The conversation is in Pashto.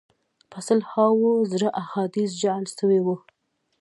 په سل هاوو زره احادیث جعل سوي وه.